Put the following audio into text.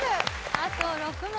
あと６問。